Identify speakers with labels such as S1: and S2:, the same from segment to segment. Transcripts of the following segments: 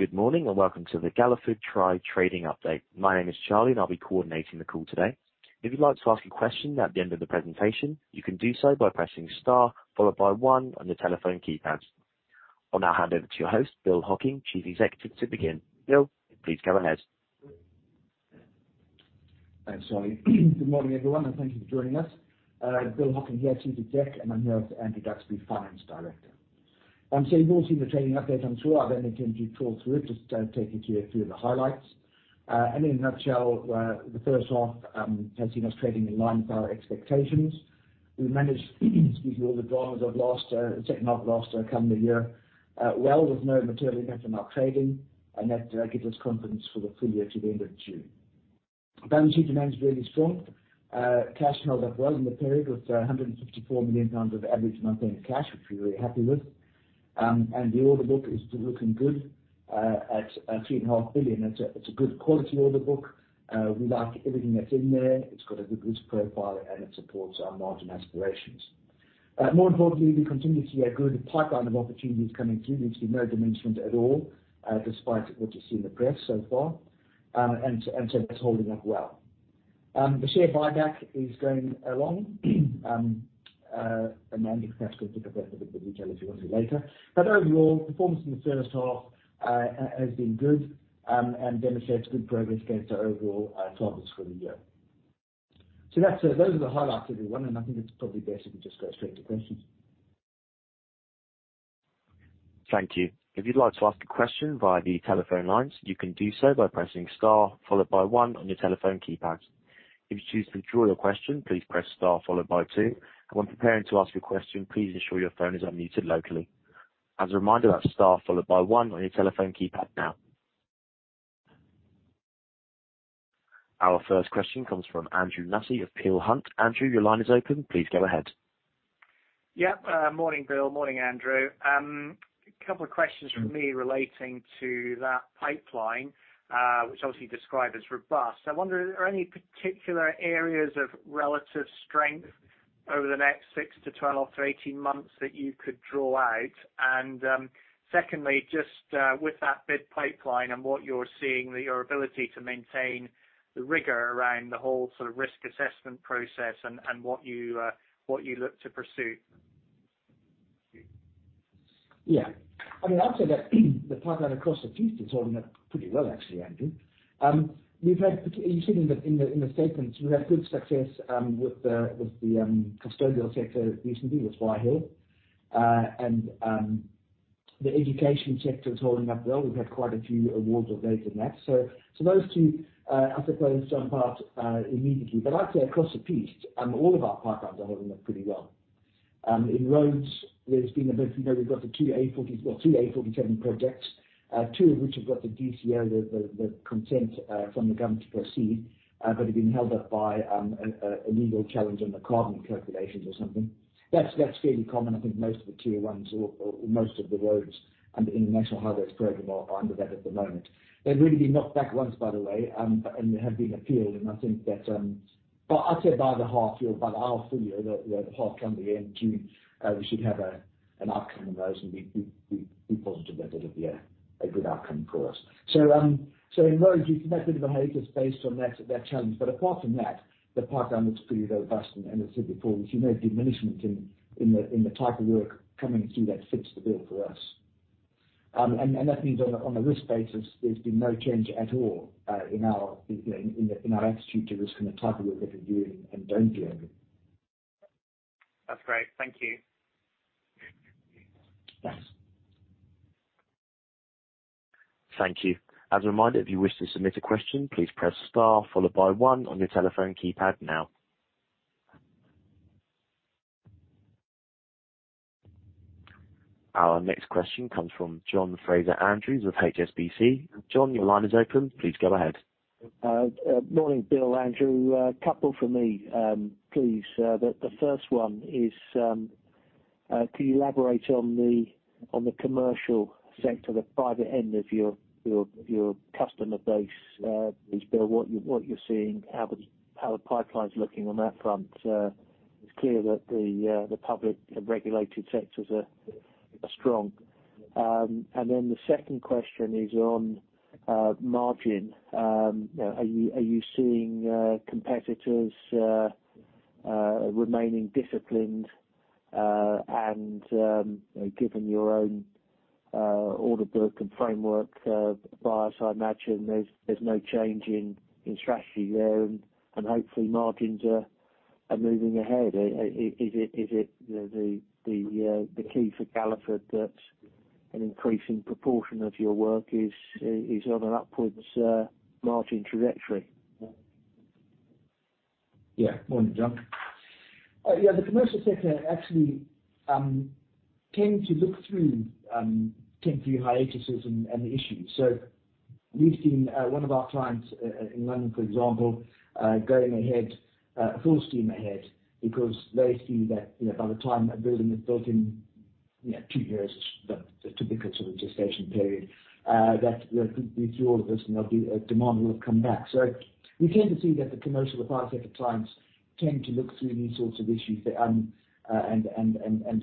S1: Good morning, and welcome to the Galliford Try trading update. My name is Charlie, and I'll be coordinating the call today. If you'd like to ask a question at the end of the presentation, you can do so by pressing star followed by one on your telephone keypad. I'll now hand over to your host, Bill Hocking, Chief Executive, to begin. Bill, please go ahead.
S2: Thanks, Charlie. Good morning, everyone, and thank you for joining us. Bill Hocking here, Chief Exec, and I'm here with Andrew Duxbury, Finance Director. You've all seen the training update, I'm sure. I don't intend to talk through it, just, take you to a few of the highlights. In a nutshell, the first half has seen us trading in line with our expectations. We managed to deal with the dramas of last, second half of last, calendar year, well, with no material impact on our trading. That gives us confidence for the full year to the end of June. Balance sheet remains really strong. Cash held up well in the period with 154 million pounds of average monthly cash, which we're really happy with. The order book is looking good at 3.5 billion. It's a good quality order book. We like everything that's in there. It's got a good risk profile, and it supports our margin aspirations. More importantly, we continue to see a good pipeline of opportunities coming through. There's been no diminishment at all, despite what you see in the press so far. That's holding up well. The share buyback is going along. Andrew can actually go into that in a bit more detail if he wants to later. Overall, performance in the first half has been good, and demonstrates good progress against our overall targets for the year. That's it. Those are the highlights, everyone. I think it's probably best if we just go straight to questions.
S1: Thank you. If you'd like to ask a question via the telephone lines, you can do so by pressing star followed by one on your telephone keypad. If you choose to withdraw your question, please press star followed by two. When preparing to ask your question, please ensure your phone is unmuted locally. As a reminder, that's star followed by one on your telephone keypad now. Our first question comes from Andrew Nussey of Peel Hunt. Andrew, your line is open. Please go ahead.
S3: Yeah. Morning, Bill. Morning, Andrew. A couple of questions from me relating to that pipeline, which obviously you describe as robust. I wonder, are there any particular areas of relative strength over the next 6-12-18 months that you could draw out? Secondly, just with that bid pipeline and what you're seeing, your ability to maintain the rigor around the whole sort of risk assessment process and what you look to pursue.
S2: I mean, I'd say that the pipeline across the piece is holding up pretty well, actually, Andrew. We've seen in the statements, we've had good success with the custodial sector recently with Rye Hill. The education sector is holding up well. We've had quite a few awards of late in that. Those two, I suppose, jump out immediately. I'd say across the piece, all of our pipelines are holding up pretty well. In roads, there's been a bit, you know, we've got the two A47 projects, two of which have got the DCO, the consent from the government to proceed, but have been held up by a legal challenge on the carbon calculations or something. That's, that's fairly common. I think most of the tier ones or most of the roads in the National Highways program are under that at the moment. They've really been knocked back once, by the way, there have been appeal, and I think that... I'd say by the half year, by our full year, the half come the end of June, we should have an outcome on those, and we're positive that it'll be a good outcome for us. In roads, we've made a bit of a hiatus based on that challenge, but apart from that, the pipeline looks pretty robust. As I said before, we've seen no diminishment in the type of work coming through that fits the bill for us. That means on a risk basis, there's been no change at all, in our attitude to risk and the type of work that we're doing and don't do.
S3: That's great. Thank you.
S2: Thanks.
S1: Thank you. As a reminder, if you wish to submit a question, please press star followed by one on your telephone keypad now. Our next question comes from John Fraser-Andrews with HSBC. John, your line is open. Please go ahead.
S4: Morning, Bill Hocking, Andrew Duxbury. A couple from me, please. The first one is, can you elaborate on the commercial sector, the private end of your customer base, please, Bill Hocking, what you're seeing, how the pipeline's looking on that front? It's clear that the public regulated sectors are strong. The second question is on margin. You know, are you seeing competitors remaining disciplined, and given your own order book and framework bias, I imagine there's no change in strategy there, and hopefully margins are moving ahead. Is it the key for Galliford Try that an increasing proportion of your work is on an upwards margin trajectory?
S2: Morning, John. The commercial sector actually tend to look through hiatuses and the issues. We've seen one of our clients in London, for example, going ahead full steam ahead because they see that, you know, by the time a building is built in, you know, two years, the typical sort of gestation period, that we're through all of this and they'll be demand will have come back. We came to see that the commercial private sector clients tend to look through these sorts of issues and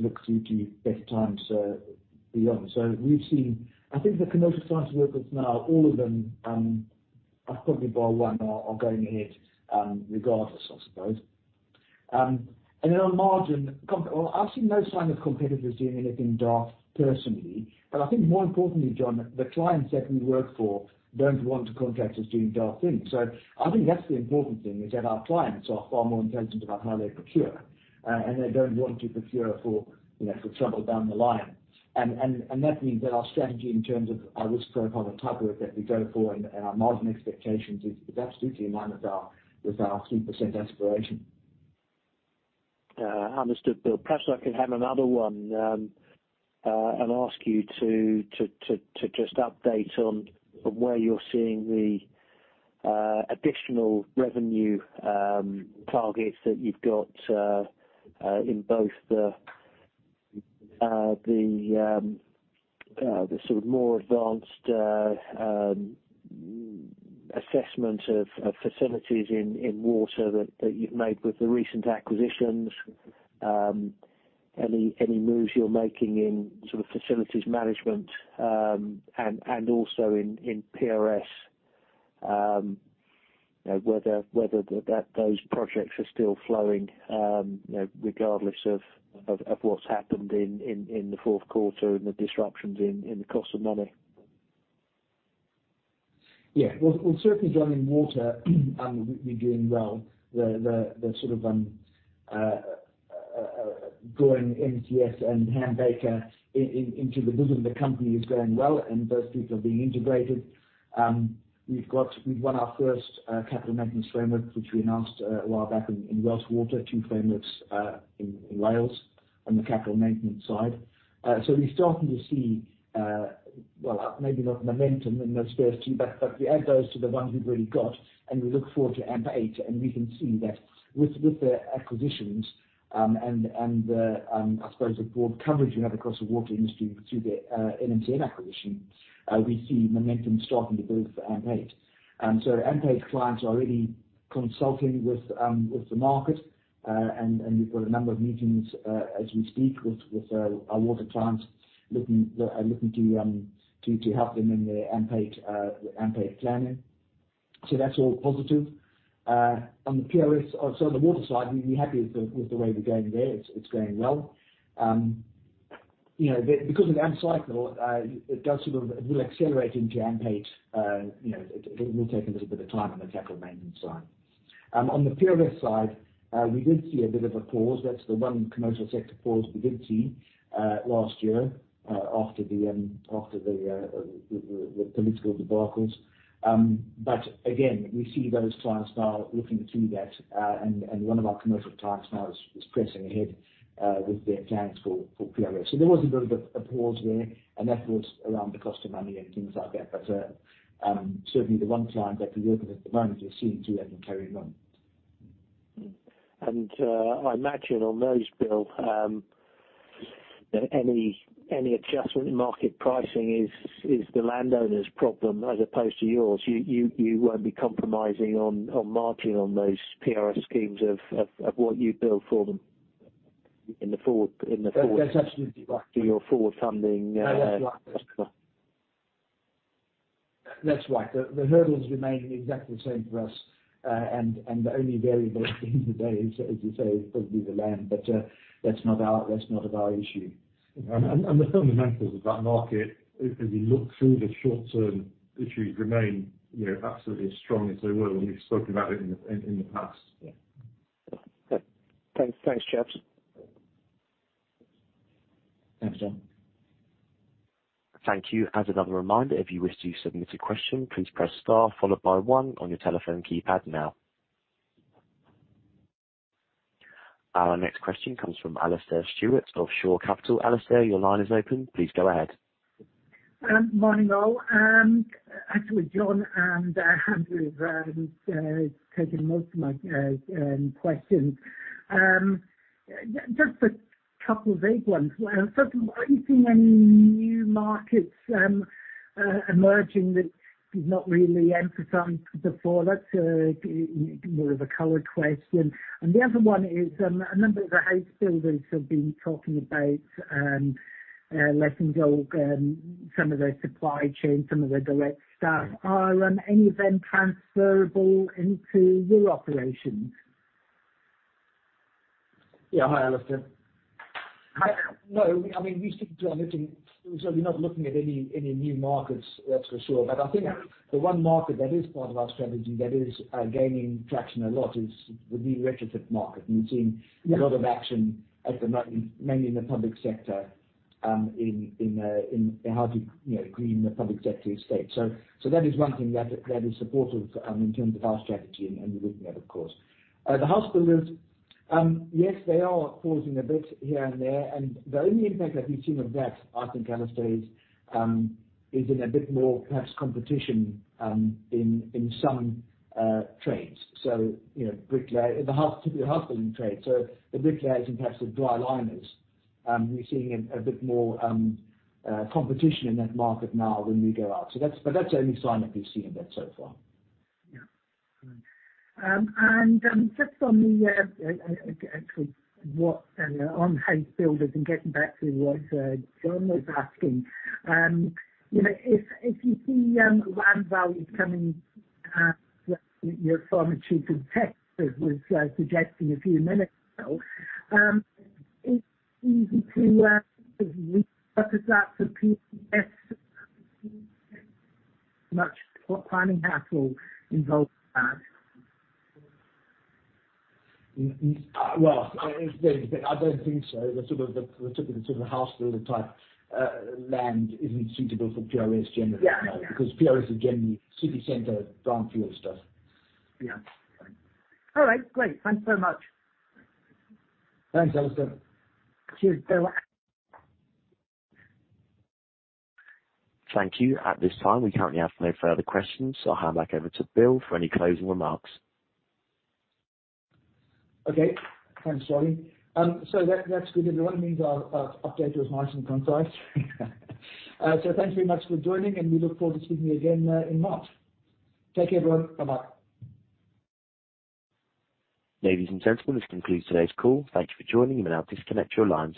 S2: look through to better times beyond. We've seen I think the commercial clients workers now, all of them, I'd probably buy one or going ahead regardless, I suppose. On margin. Well, I've seen no sign of competitors doing anything daft personally. I think more importantly, John, the clients that we work for don't want to contract us doing daft things. I think that's the important thing, is that our clients are far more intelligent about how they procure, and they don't want to procure for, you know, for trouble down the line. That means that our strategy in terms of our risk profile and type of work that we go for and our margin expectations is absolutely in line with our 3% aspiration.
S4: Understood, Bill. Perhaps I can have another one and ask you to just update on where you're seeing the additional revenue targets that you've got in both the sort of more advanced assessment of facilities in water that you've made with the recent acquisitions. Any moves you're making in sort of facilities management, and also in PRS, whether those projects are still flowing, you know, regardless of what's happened in the fourth quarter and the disruptions in the cost of money?
S2: Well, certainly, John, in water, we're doing well. The sort of growing MCS and Ham Baker into the business of the company is going well, and those people are being integrated. We've won our first capital maintenance framework, which we announced a while back in Welsh Water, two frameworks in Wales on the capital maintenance side. We're starting to see, well, maybe not momentum in those first two, but we add those to the ones we've already got, and we look forward to AMP8, and we can see that with the acquisitions, and the, I suppose the broad coverage we have across the water industry through the nmcn acquisition, we see momentum starting to build for AMP8. AMP8 clients are already consulting with the market and we've got a number of meetings as we speak with our water clients looking to help them in their AMP8 planning. That's all positive. On the water side, we're happy with the way we're going there. It's going well. You know, because of the AMP cycle, it does sort of a little accelerating to AMP8. You know, it will take a little bit of time on the capital maintenance side. On the PRS side, we did see a bit of a pause. That's the one commercial sector pause we did see last year after the political debacles. Again, we see those clients now looking through that and one of our commercial clients now is pressing ahead with their plans for PRS. There was a bit of a pause there, and that was around the cost of money and things like that. Certainly the one client that we work with at the moment is seeing through that and carrying on.
S4: I imagine on those, Bill, any adjustment in market pricing is the landowner's problem as opposed to yours. You won't be compromising on margin on those PRS schemes of what you bill for them in the forward-
S2: That's absolutely right.
S4: Your forward funding.
S2: That's right. The hurdles remain exactly the same for us. The only variable at the end of the day is, as you say, probably the land, but that's not of our issue.
S5: The fundamentals of that market as you look through the short term issues remain, you know, absolutely as strong as they were when you spoke about it in the past.
S4: Yeah. Thanks. Thanks, chaps.
S2: Thanks, John.
S1: Thank you. As another reminder, if you wish to submit a question, please press star followed by one on your telephone keypad now. Our next question comes from Alistair Stewart of Shore Capital. Alistair, your line is open. Please go ahead.
S6: Morning all. Actually, John and Andrew have taken most of my questions. Just a couple of vague ones. First one, are you seeing any new markets emerging that you've not really emphasized before? That's more of a covered question. The other one is a number of the house builders have been talking about letting go some of their supply chain, some of their direct staff. Are any of them transferable into your operations?
S2: Yeah. Hi, Alistair. Hi. No, I mean, we seem to be looking. We're not looking at any new markets, that's for sure. I think the one market that is part of our strategy that is gaining traction a lot is the new retrofit market. We've seen a lot of action at the moment, mainly in the public sector, in how to, you know, green the public sector estate. That is one thing that is supportive, in terms of our strategy and the group net, of course. The house builders, yes, they are pausing a bit here and there, and the only impact that we've seen of that, I think, Alistair, is in a bit more perhaps competition, in some trades. So, you know, bricklayer, the house, typical house building trade. The bricklayers and perhaps the dry liners, we're seeing a bit more competition in that market now than we go up. That's the only sign that we've seen of that so far.
S6: Yeah. Just on the actually what and on house builders and getting back to what John was asking, you know, if you see land values coming, your former chief exec was suggesting a few minutes ago, it's easy to because that's a PRS, much planning has to involve that.
S2: Well, I don't think so. The sort of the house builder type, land isn't suitable for PRS generally.
S6: Yeah.
S2: PRS is generally city center brownfield stuff.
S6: Yeah. All right. Great. Thanks so much.
S2: Thanks, Alistair.
S6: Cheers. You're welcome.
S1: Thank you. At this time, we currently have no further questions. I'll hand back over to Bill for any closing remarks.
S2: Okay. Thanks, Charlie. That's good everyone. It means our update was nice and concise. Thank you very much for joining, and we look forward to seeing you again in March. Take care, everyone. Bye-bye.
S1: Ladies and gentlemen, this concludes today's call. Thank you for joining. You may now disconnect your lines.